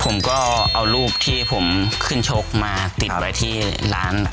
ผมก็เอารูปที่ผมขึ้นชกมาติดไว้ที่ร้าน